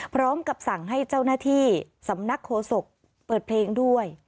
พร้อมกับสั่งให้เจ้าหน้าที่สำนักโฆษกเปิดเพลงด้วย